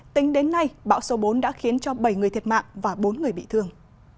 tính đến nay bão số bốn đã khiến cho bảy người thiệt mạng và bốn người bị thương